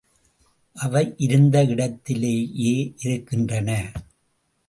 அவை இருந்த இடத்திலேயே இருக்கின்றன.